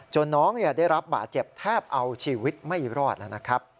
น้องได้รับบาดเจ็บแทบเอาชีวิตไม่รอดแล้วนะครับ